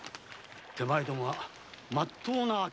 手前どもはまっとうな商い。